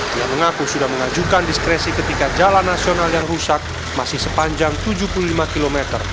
dia mengaku sudah mengajukan diskresi ketika jalan nasional yang rusak masih sepanjang tujuh puluh lima km